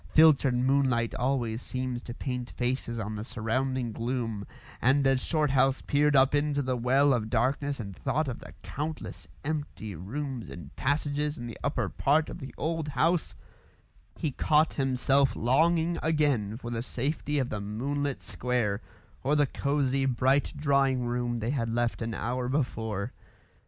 Filtered moonlight always seems to paint faces on the surrounding gloom, and as Shorthouse peered up into the well of darkness and thought of the countless empty rooms and passages in the upper part of the old house, he caught himself longing again for the safety of the moonlit square, or the cosy, bright drawing room they had left an hour before.